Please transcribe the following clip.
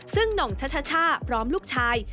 ซึ่งหน่องช่าพร้อมลูกชาย